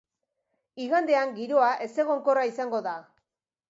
Igandean giroa ezegonkorra izango da.